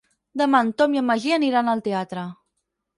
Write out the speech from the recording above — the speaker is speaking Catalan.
Demà en Tom i en Magí aniran al teatre.